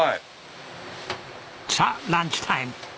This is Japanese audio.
さあランチタイム！